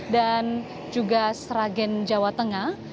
dan juga seragen jawa tengah